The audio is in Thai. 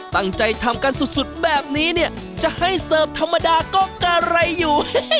ตั้งใจทำกันสุดแบบนี้เนี่ยจะให้เสิร์ฟธรรมดาก็กะไรอยู่